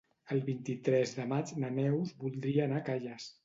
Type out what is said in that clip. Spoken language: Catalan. El vint-i-tres de maig na Neus voldria anar a Calles.